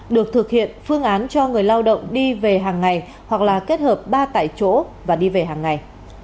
được thực hiện phương án cho người lao động đi về hàng ngày hoặc là kết hợp ba tại chỗ và đi về hàng ngày